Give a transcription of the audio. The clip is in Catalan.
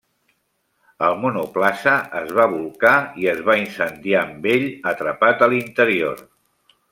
El monoplaça es va bolcar i es va incendiar amb ell atrapat a l'interior.